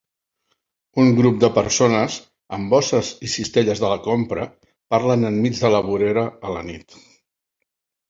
Un grup de persones amb bosses i cistelles de la compra parlen enmig de la vorera a la nit